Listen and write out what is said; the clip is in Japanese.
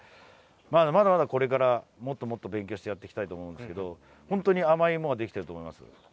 まだまだこれからもっと勉強してやっていきたいと思うんですが本当に甘いものができてると思います。